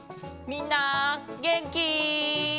みんなげんき？